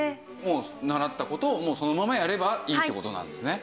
習った事をもうそのままやればいいって事なんですね。